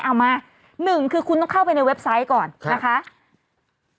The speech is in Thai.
เอามาหนึ่งคือคุณต้องเข้าไปในเว็บไซต์ก่อนนะคะ